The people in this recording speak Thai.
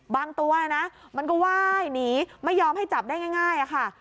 ตัวนะมันก็ไหว้หนีไม่ยอมให้จับได้ง่ายค่ะ